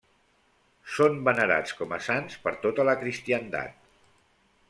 Són venerats com a sants per tota la cristiandat.